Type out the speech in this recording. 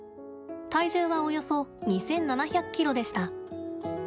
体重はおよそ２７００ｋｇでした。